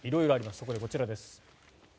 そこでこちらです。